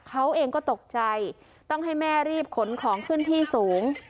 เขาเองก็ตกใจต้องให้แม่รีบขนของขึ้นที่สูง